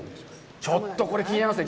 ちょっとこれ、気になりますね。